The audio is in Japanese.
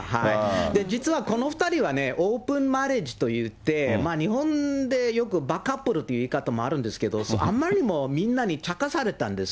実はこの２人はね、オープンマリッジといって、日本でよくバカップルっていう言い方もあるんですけれども、あまりにもみんなにも茶化されたんです。